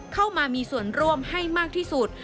เข้ามามีส่วนร่วมให้มากที่สุด